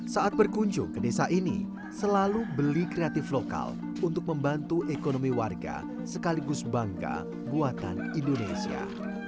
saat berkunjung ke desa ini selalu beli kreatif lokal untuk membantu ekonomi warga sekaligus bangga buatan indonesia